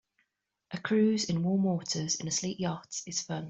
A cruise in warm waters in a sleek yacht is fun.